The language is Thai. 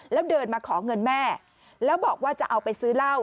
แล้วเดินมาขอเงินแม่แล้วบอกว่าจะเอาไปซื้อเหล้า